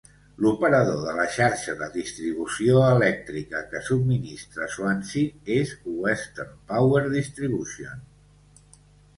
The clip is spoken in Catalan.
L'operador de la xarxa de distribució elèctrica que subministra Swansea és Western Power Distribution.